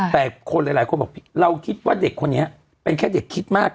แต่คนหลายคนบอกเราคิดว่าเด็กคนนี้เป็นแค่เด็กคิดมาก